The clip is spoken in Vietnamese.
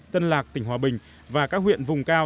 tân lạc tỉnh hòa bình và các huyện vùng cao